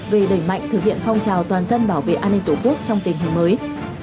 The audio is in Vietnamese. về đẩy mạnh thực hiện phong trào toàn dân bảo vệ an ninh tổ quốc trong tình hình mới